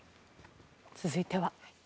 続いては。